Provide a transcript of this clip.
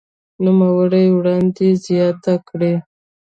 نوموړي وړاندې زياته کړې